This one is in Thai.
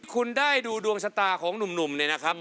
คุณได้ดูดวงชะตาของหนุ่มเนี่ยนะครับ